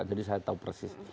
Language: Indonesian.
jadi saya tahu persis